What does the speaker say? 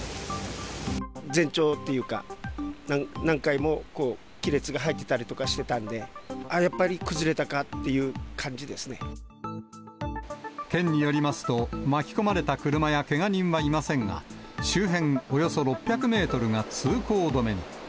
前兆っていうか、何回も亀裂が入ってたりとかしてたんで、やっぱり、崩れたかって県によりますと、巻き込まれた車やけが人はいませんが、周辺およそ６００メートルが通行止めに。